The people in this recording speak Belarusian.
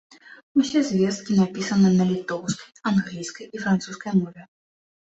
Усе звесткі напісаны на літоўскай, англійскай, і французскай мове.